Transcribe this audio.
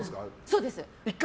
そうです。